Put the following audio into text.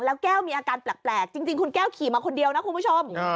แล้วแก้วมีอาการแปลกจริงคุณแก้วขี่มาคนเดียวนะคุณผู้ชม